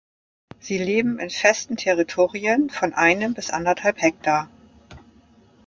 Sie leben in festen Territorien von einem bis anderthalb Hektar.